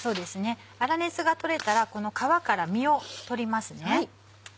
粗熱が取れたらこの皮から身を取ります。